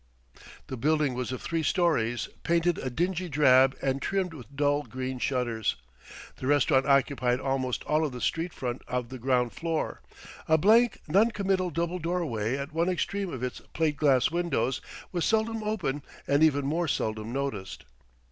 The building was of three storeys, painted a dingy drab and trimmed with dull green shutters. The restaurant occupied almost all of the street front of the ground floor, a blank, non committal double doorway at one extreme of its plate glass windows was seldom open and even more seldom noticed.